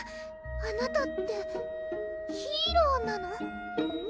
あなたってヒーローなの？